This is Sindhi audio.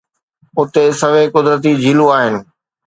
اتي سوين قدرتي جھليون آھن